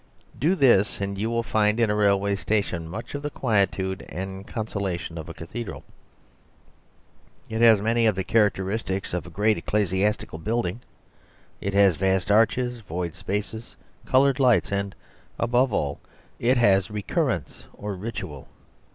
Do this, and you will find in a railway station much of the quietude and consolation of a cathedral. It has many of the characteristics of a great ecclesiastical building; it has vast arches, void spaces, coloured lights, and, above all, it has recurrence or ritual.